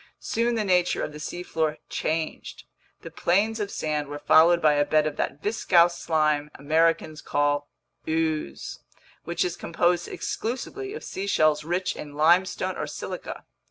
Soon the nature of the seafloor changed. The plains of sand were followed by a bed of that viscous slime Americans call "ooze," which is composed exclusively of seashells rich in limestone or silica.